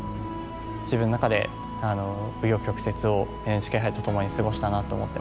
自分の中で紆余曲折をＮＨＫ杯とともに過ごしたなと思ってます。